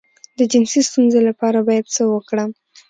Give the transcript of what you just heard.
د جنسي ستونزې لپاره باید څه وکړم؟